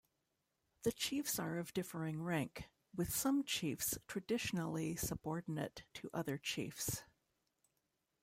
The chiefs are of differing rank, with some chiefs traditionally subordinate to other chiefs.